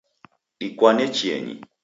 Dikwane chienyi